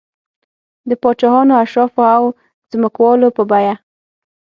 د پاچاهانو، اشرافو او ځمکوالو په بیه و